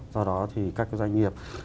do đó thì các cái doanh nghiệp